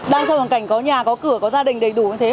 đang trong hoàn cảnh có nhà có cửa có gia đình đầy đủ như thế